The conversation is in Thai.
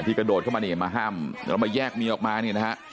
กระโดดเข้ามานี่มาห้ามแล้วมาแยกเมียออกมานี่นะฮะ